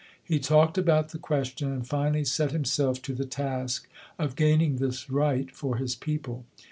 He talked about the question and finally set himself to the task of gaining this right for his people.